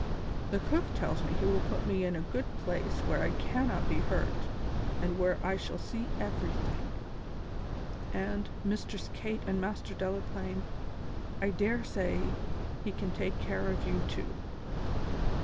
The cook tells me he will put me in a good place where I cannot be hurt and where I shall see everything. And, Mistress Kate and Master Delaplaine, I dare say he can take care of you too."